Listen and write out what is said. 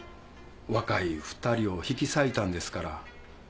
若い２人を引き裂いたんですから。